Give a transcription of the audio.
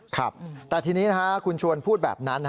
ครับแต่ทีนี้คุณชวนพูดแบบนั้น